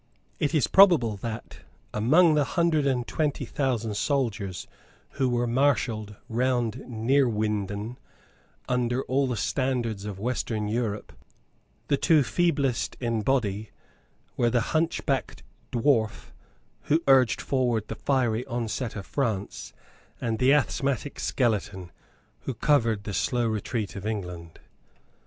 It is probable that, among the hundred and twenty thousand soldiers who were marshalled round Neerwinden under all the standards of Western Europe, the two feeblest in body were the hunchbacked dwarf who urged forward the fiery onset of France, and the asthmatic skeleton who covered the slow retreat of England.